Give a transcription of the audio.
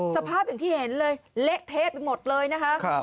สภาพอย่างที่เห็นเลยเละเทะไปหมดเลยนะคะ